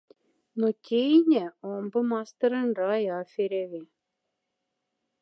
Но тейне омба масторонь рай аф эряви.